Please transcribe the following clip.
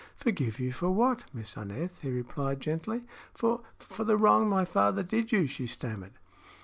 "Forgive you for what, Miss Aneth?" he replied, gently. "For for the wrong my father did you," she stammered.